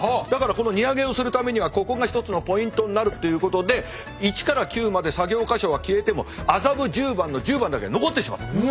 だからこの荷揚げをするためにはここが１つのポイントになるっていうことで１から９まで作業箇所は消えても麻布十番の１０番だけ残ってしまった。